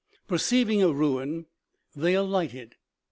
265 Perceiving a ruin, they alighted.